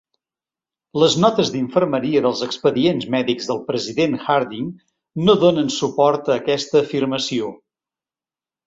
Les notes d'infermeria dels expedients mèdics del president Harding no donen suport a aquesta afirmació.